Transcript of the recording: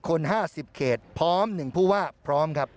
๕๐คน๕๐เกตพร้อมหนึ่งผู้ว่าพร้อมครับ